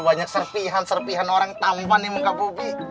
banyak serpihan serpihan orang tampan di muka bumi